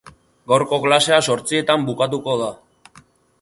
Gaurko klasea zortzietan bukatuko da